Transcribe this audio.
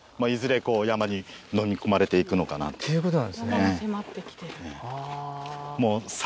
山が迫ってきてる。